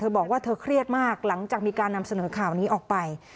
บอกว่าเธอเครียดมากหลังจากมีการนำเสนอข่าวนี้ออกไป